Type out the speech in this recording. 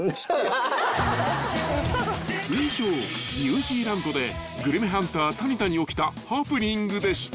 ［以上ニュージーランドでグルメハンター谷田に起きたハプニングでした］